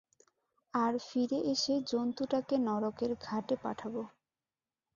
আর ফিরে এসে জন্তুটাকে নরকের ঘাটে পাঠাবো।